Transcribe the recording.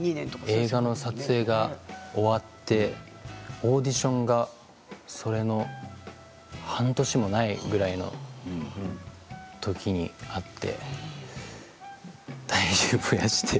映画の撮影が終わってオーディションがそれの半年もないぐらいのときにあって体重増やして。